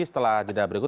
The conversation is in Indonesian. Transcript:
setelah didalam berikut